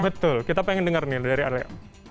betul kita pengen dengar nih dari alex